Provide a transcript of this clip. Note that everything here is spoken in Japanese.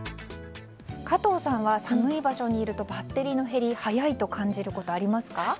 加藤さんは、寒い場所にいるとバッテリーの減り早いと感じることありますか？